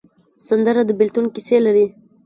سندره د بېلتون کیسې لري